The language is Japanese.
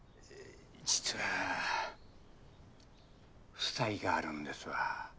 実は負債があるんですわ。